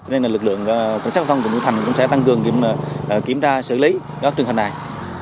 nên lực lượng cảnh sát lưu thông của núi thành cũng sẽ tăng cường kiểm tra xử lý trường hành này